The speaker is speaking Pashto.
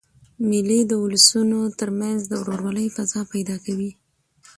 مېلې د اولسونو تر منځ د ورورولۍ فضا پیدا کوي.